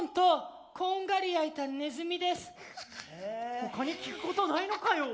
ほかに聞くことないのかよ？